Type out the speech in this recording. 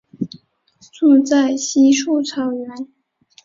住在稀树草原。